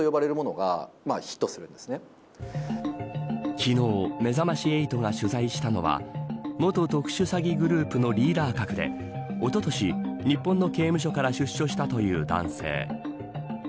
昨日めざまし８が取材したのは元特殊詐欺グループのリーダー格でおととし日本の刑務所から出所したという男性。